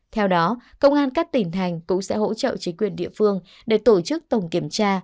theo đó công an các tỉnh thành cũng sẽ hỗ trợ chính quyền địa phương để tổ chức tổng kiểm tra